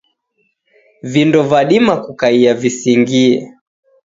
Vindo vadima kukaia visingie.